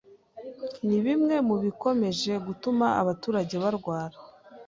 ni bimwe mu bikomeje gutuma abaturage barwara